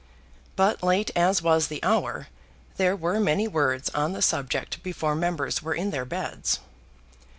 But late as was the hour, there were many words on the subject before members were in their beds.